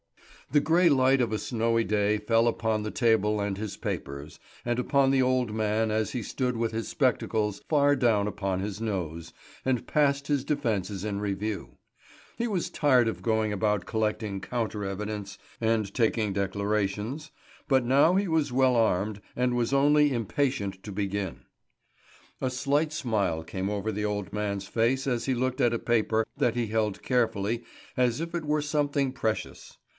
The grey light of a snowy day fell upon the table and his papers, and upon the old man as he stood with his spectacles far down upon his nose, and passed his defences in review. He was tired of going about collecting counter evidence and taking declarations; but now he was well armed, and was only impatient to begin. A slight smile came over the old man's face as he looked at a paper that he held carefully as if it were something precious.